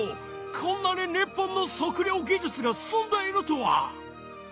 こんなに日本の測量技術が進んでいるとは！